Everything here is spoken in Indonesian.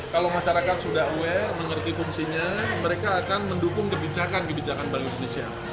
kalau masyarakat sudah aware mengerti fungsinya mereka akan mendukung kebijakan kebijakan bank indonesia